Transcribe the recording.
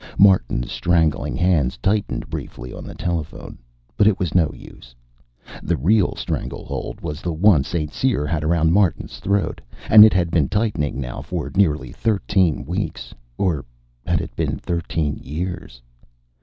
Martin's strangling hands tightened briefly on the telephone. But it was no use. The real strangle hold was the one St. Cyr had around Martin's throat, and it had been tightening now for nearly thirteen weeks. Or had it been thirteen years?